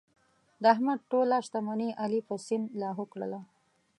د احمد ټوله شتمني علي په سیند لاهو کړله.